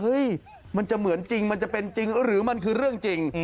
มันจะเหมือนจริงมันจะเป็นจริงหรือมันคือเรื่องจริง